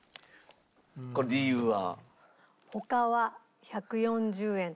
これ理由は？